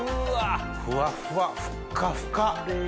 ふわふわふっかふか。